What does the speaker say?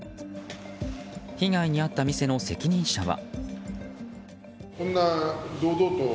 被害に遭った店の責任者は。